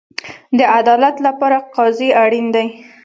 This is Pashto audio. د عدالت لپاره قاضي اړین دی